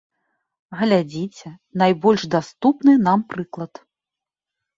Глядзіце, найбольш даступны нам прыклад.